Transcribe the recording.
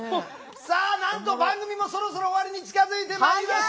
さあなんと番組もそろそろ終わりに近づいてまいりました！